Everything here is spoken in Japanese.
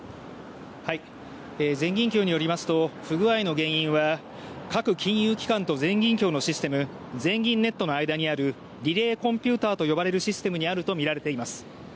全銀協によりますと不具合の原因は各金融機関と全銀協のシステム全銀ネットの間にあるリレーコンピューターと呼ばれるシステムにあるとみられています。